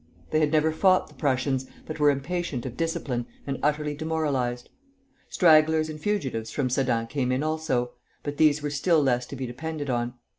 They had never fought the Pussians, but were impatient of discipline and utterly demoralized. Stragglers and fugitives from Sedan came in also, but these were still less to be depended on.